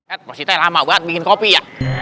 eh mas itai lama banget bikin kopi ya